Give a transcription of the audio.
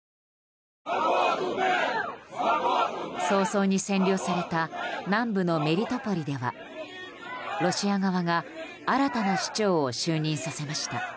早々に占領された南部のメリトポリではロシア側が新たな市長を就任させました。